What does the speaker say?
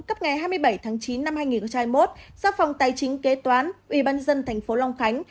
cấp ngày hai mươi bảy tháng chín năm hai nghìn hai mươi một do phòng tài chính kế toán ubnd tp long khánh